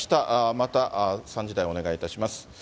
また３時台お願いいたします。